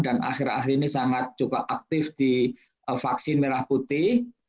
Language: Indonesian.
dan akhir akhir ini sangat juga aktif di vaksin merah putih